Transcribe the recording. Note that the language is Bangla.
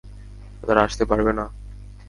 তারা আসতে পারবে না?